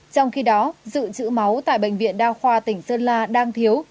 trong khi đó dự trữ máu tại bệnh viện đa khoa tỉnh sơn la đang thiếu